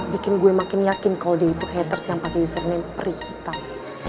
bikin gue makin yakin kalo dia itu haters yang pake username perihitang